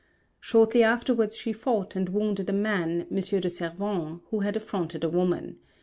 Shortly afterwards she fought and wounded a man, M. de Servan, who had affronted a woman.